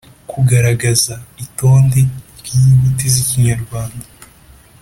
-kugaragaza -itonde ry’inyuguti z’ikinyarwanda